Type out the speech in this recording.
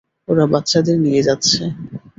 ওরা বাচ্চাদের নিয়ে যাচ্ছে!